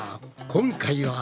今回は。